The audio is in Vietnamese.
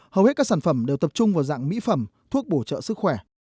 hầu hết các sản phẩm đều tập trung vào dạng mỹ phẩm thuốc bổ trợ sức khỏe